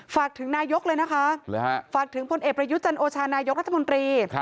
ฝากถึงนายกเลยนะคะฝากถึงพลเอกประยุทธ์จันโอชานายกรัฐมนตรี